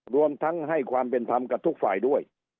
รวมทั้งให้ความเป็นธรรมกับทุกฝ่ายด้วย